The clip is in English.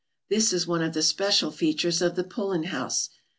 This is one of the special features of the Pullen House.